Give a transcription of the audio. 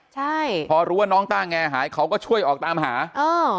ใช่พอรู้ว่าน้องต้าแงหายเขาก็ช่วยออกตามหาเออ